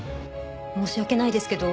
申し訳ないですけど。